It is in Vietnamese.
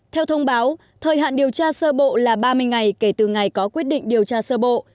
theo thông báo thời hạn điều tra sơ bộ là ba mươi ngày kể từ ngày có quyết định điều tra sơ bộ